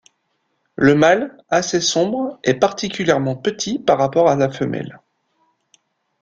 Le mâle, assez sombre est particulièrement petit par rapport à la femelle.